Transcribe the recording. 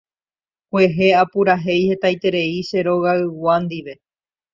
Kuehe apurahéi hetaiterei che rogaygua ndive.